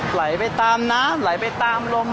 ไหลไปตามน้ำไหลไปตามลม